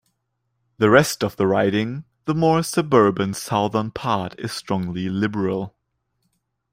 The rest of the riding, the more suburban southern part is strongly Liberal.